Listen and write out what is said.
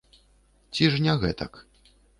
Ці ж не гэтак?